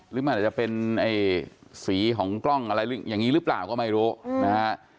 หรือเป็นสีของกล้องอะไรอย่างนี้หรือเปล่าก็ไม่รู้นะครับ